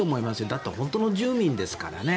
だって本当の住民ですからね。